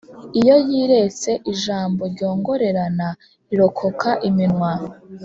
iyo yiretse ijambo ryongorerana rirokoka iminwa